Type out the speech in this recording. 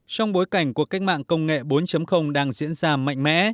trong bối cảnh cuộc cách mạng công nghệ bốn đang diễn ra mạnh mẽ